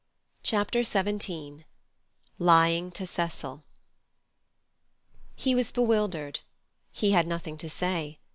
Chapter XVII Lying to Cecil He was bewildered. He had nothing to say.